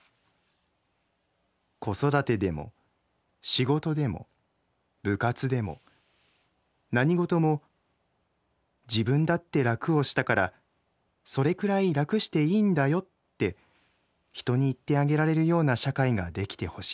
子育てでも仕事でも部活でも何事も自分だって楽をしたからそれくらい楽していいんだよって人に言ってあげられるような社会が出来てほしい。